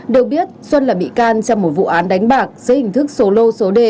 được biết xuân là bị can trong một vụ án đánh bạc dưới hình thức xô lô xô đề